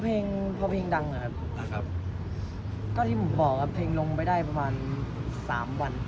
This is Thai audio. เพลงพอเพลงดังนะครับก็ที่ผมบอกครับเพลงลงไปได้ประมาณสามวัน